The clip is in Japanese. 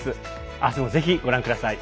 明日も、ぜひご覧ください。